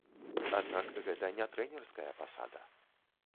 Аднак гэта не трэнерская пасада.